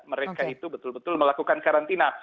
mereka itu betul betul melakukan karantina